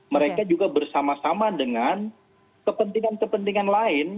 mereka juga bersama sama dengan kepentingan kepentingan lain